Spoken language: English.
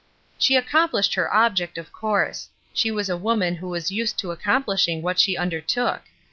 She accomplished her object, of course. She was a woman who was used to accomphshing what she undertook.